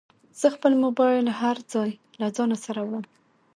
زه خپل موبایل هر ځای له ځانه سره وړم.